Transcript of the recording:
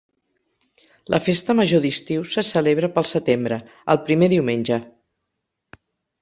La festa major d'estiu se celebra pel setembre, el primer diumenge.